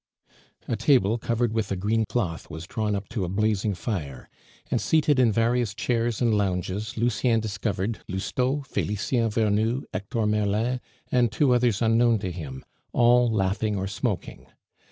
A table covered with a green cloth was drawn up to a blazing fire, and seated in various chairs and lounges Lucien discovered Lousteau, Felicien Vernou, Hector Merlin, and two others unknown to him, all laughing or smoking.